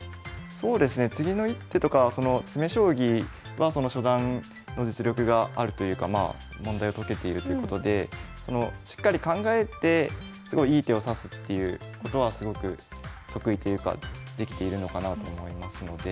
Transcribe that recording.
そうですね次の一手とか詰将棋は初段の実力があるというか問題を解けているということでしっかり考えてすごいいい手を指すっていうことはすごく得意というかできているのかなあと思いますので。